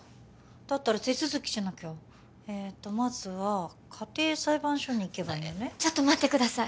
だったら手続きしなきゃえっとまずは家庭裁判所に行けばいいのねちょっと待ってください